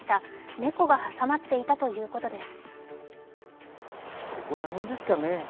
猫が挟まっていたということです。